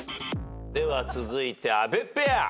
では続いて阿部ペア。